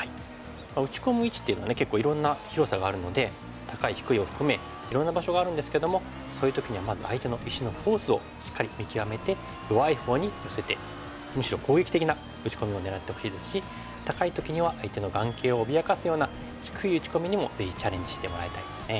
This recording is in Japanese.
打ち込む位置っていうのは結構いろんな広さがあるので高い低いを含めいろんな場所があるんですけどもそういう時にはまず相手の石のフォースをしっかり見極めて弱いほうに寄せてむしろ攻撃的な打ち込みを狙ってほしいですし高い時には相手の眼形を脅かすような低い打ち込みにもぜひチャレンジしてもらいたいですね。